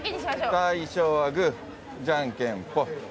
最初はグーじゃんけんぽい。